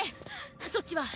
そっちは？